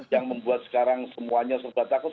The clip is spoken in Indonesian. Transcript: yang membuat sekarang semuanya serba takut